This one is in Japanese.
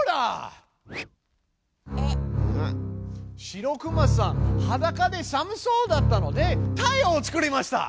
白くまさんはだかで寒そうだったので太陽を作りました！